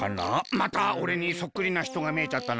またおれにそっくりなひとがみえちゃったな。